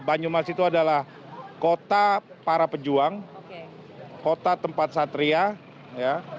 banyumas itu adalah kota para pejuang kota tempat satria ya